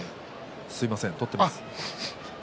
すみません取っています。